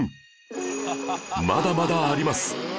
まだまだあります！